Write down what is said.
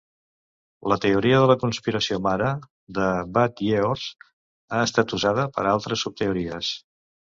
La teoria de la conspiració mare, de Bat Ye'or's, ha estat usada per a altres subteories.